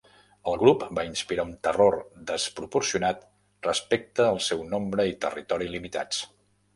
El grup va inspirar un terror desproporcionat respecte al seu nombre i territori limitats.